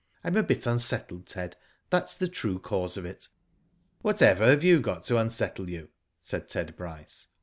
I am a bit unsettled, Ted, that's the true cause of^ it." "Whatever have you got to unsettle you?" said Ted Bryce.